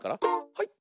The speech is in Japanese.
はい。